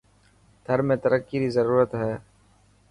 ٿر ۾ ترقي ري ضرورت هي.